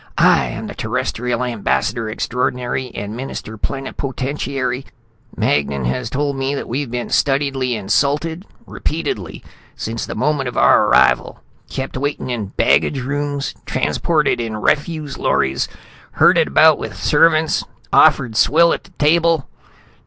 "I am the Terrestrial Ambassador Extraordinary and Minister Plenipotentiary. Magnan has told me that we've been studiedly insulted, repeatedly, since the moment of our arrival. Kept waiting in baggage rooms, transported in refuse lorries, herded about with servants, offered swill at table.